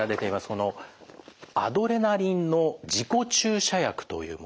このアドレナリンの自己注射薬というもの。